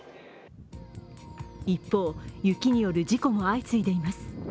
一方、雪による事故も相次いでいます。